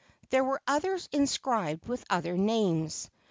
There were others inscribed with other names.